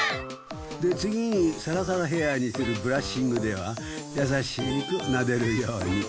で次にサラサラヘアにするブラッシングではやさしくなでるように。